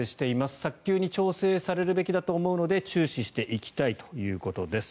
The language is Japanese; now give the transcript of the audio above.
早急に調整されるべきだと思うので注視していきたいということです。